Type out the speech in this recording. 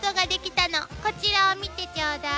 こちらを見てちょうだい。